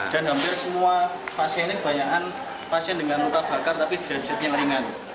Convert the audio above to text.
dan hampir semua pasien ini kebanyakan pasien dengan luka bakar tapi derajatnya ringan